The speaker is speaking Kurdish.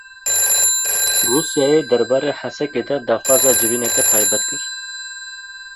Rûsyayê derbarê Hesekê de daxwaza civîneke taybet kir.